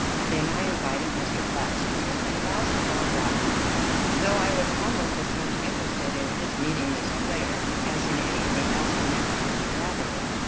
Then I invited Mr. Blackstone, and last of all Roger though I was almost as much interested in his meeting Miss Clare as in any thing else connected with the gathering.